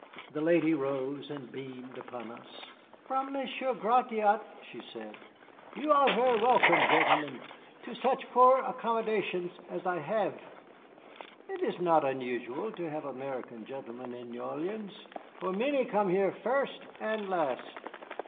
The lady rose and beamed upon us. "From Monsieur Gratiot," she said; "you are very welcome, gentlemen, to such poor accommodations as I have. It is not unusual to have American gentlemen in New Orleans, for many come here first and last.